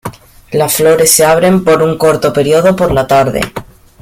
Las flores se abren por un corto período por la tarde.